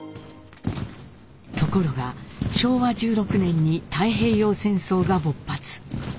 ところが昭和１６年に太平洋戦争が勃発。